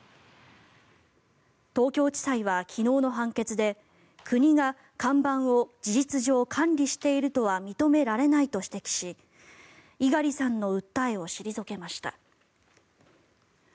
東京地裁は昨日の判決で国が看板を事実上管理しているとは認められないと指摘し猪狩さんの訴えを退けました。